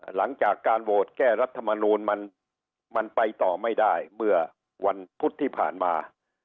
หลังจากการโหวตแก้รัฐมนูลมันไปต่อไม่ได้เมื่อวันพุธที่ผ่านมา